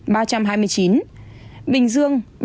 bình dương ba trăm tám mươi ba bốn trăm sáu mươi năm